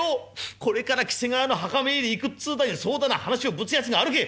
これから喜瀬川の墓参り行くっつうだにそうだな話をぶつやつがあるけえ！」。